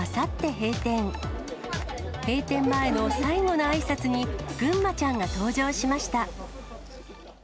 閉店前の最後のあいさつに、ぐんまちゃんが登場しました。